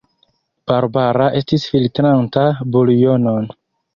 Barbara estis filtranta buljonon.